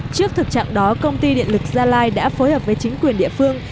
trước thực trạng đó công ty điện lực gia lai đã phối hợp với chính quyền địa phương